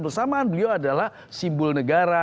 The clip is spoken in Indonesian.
bersamaan beliau adalah simbol negara